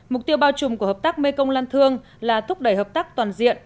mục tiêu bao trùm của hợp tác mê công lan thương là thúc đẩy hợp tác toàn diện